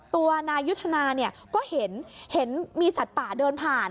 ตัวนายยุทธนาก็เห็นมีสัตว์ป่าเดินผ่าน